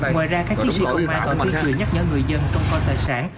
ngoài ra các chiến sĩ công an còn ghi nhắc nhở người dân công con tài sản